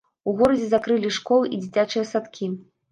У горадзе закрылі школы і дзіцячыя садкі.